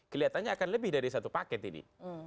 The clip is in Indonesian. kelihatannya akan lebih dari satu paket ini